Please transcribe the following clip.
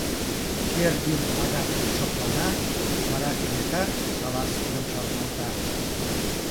Кердин адак шыплана, вара кенета Салазкиным шарналта: